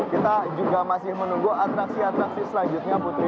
kita juga masih menunggu atraksi atraksi selanjutnya putri